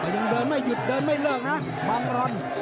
ยังเดินไม่หยุดเดินไม่เลิกนะบังรอน